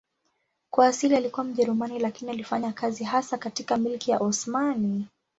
Kwa asili alikuwa Mjerumani lakini alifanya kazi hasa katika Milki ya Osmani.